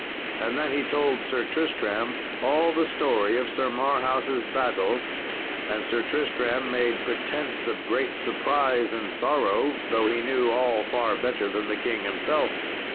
And then he told Sir Tristram all the story of Sir Marhaus' battle, and Sir Tristram made pretence of great surprise and sorrow, though he knew all far better than the king himself.